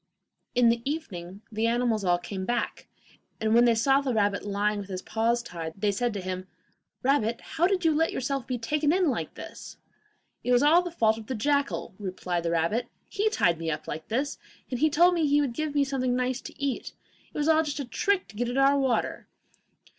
In the evening the animals all came back, and when they saw the rabbit lying with his paws tied, they said to him: 'Rabbit, how did you let yourself be taken in like this?' 'It was all the fault of the jackal,' replied the rabbit; 'he tied me up like this, and told me he would give me something nice to eat. It was all a trick just to get at our water.